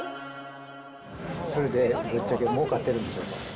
それでぶっちゃけもうかってるんでしょうか。